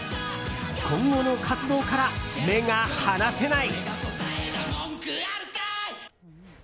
今後の活動から目が離せない。